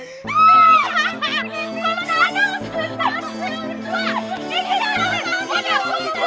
kalau mana lo selesai